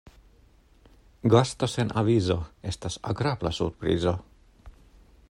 Gasto sen avizo estas agrabla surprizo.